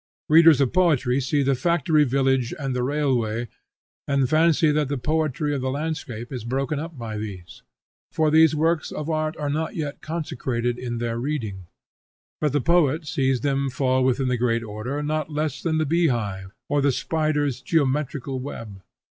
Readers of poetry see the factory village and the railway, and fancy that the poetry of the landscape is broken up by these; for these works of art are not yet consecrated in their reading; but the poet sees them fall within the great Order not less than the beehive or the spider's geometrical web.